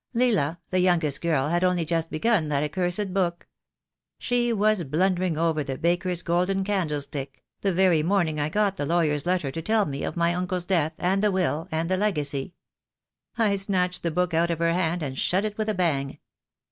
Leila, the youngest girl, had only just begun that accursed book. She was blun dering over 'the baker's golden candlestick' the very morning I got the lawyer's letter to tell me of my uncle's death, and the will, and the legacy. I snatched the book out of her hand, and shut it with a bang.